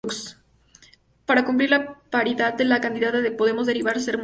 Para cumplir la paridad la candidata de Podemos debía ser una mujer.